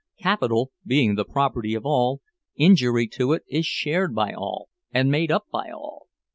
Capital being the property of all, injury to it is shared by all and made up by all.